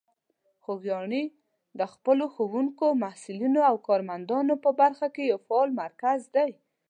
خوږیاڼي د خپلو ښوونکو، محصلینو او کارمندان په برخه کې یو فعال مرکز دی.